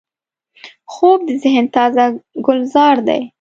خوب د ذهن تازه ګلزار دی